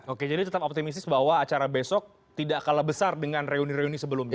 oke jadi tetap optimistis bahwa acara besok tidak kalah besar dengan reuni reuni sebelumnya